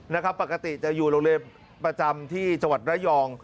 นะครับปกติจะอยู่โรงเรียนประจำที่จังหวัดระยอง